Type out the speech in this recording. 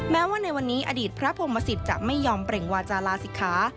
แม้ว่าในวันนี้อดีตพระพรมศิษย์จะไม่ยอมเปล่งวาจาลาศิกขา